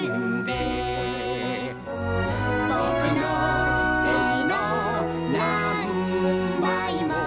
「ぼくのせいのなんばいも」